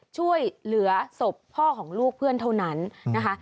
ช่วยเหลือศพพ่อของลูกเพื่อนเท่านั้นนะคะ